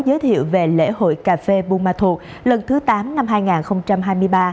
giới thiệu về lễ hội cà phê bumathu lần thứ tám năm hai nghìn hai mươi ba